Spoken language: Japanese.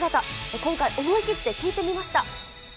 今回、思い切って聞いてみました。